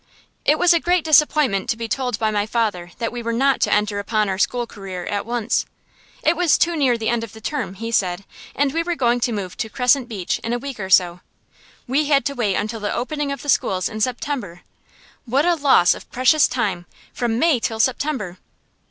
It was a great disappointment to be told by my father that we were not to enter upon our school career at once. It was too near the end of the term, he said, and we were going to move to Crescent Beach in a week or so. We had to wait until the opening of the schools in September. What a loss of precious time from May till September!